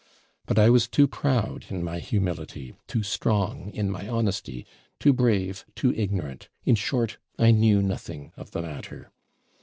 But I was too proud in my humility, too strong in my honesty, too brave, too ignorant; in short, I knew nothing of the matter.